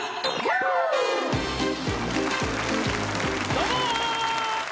どうも！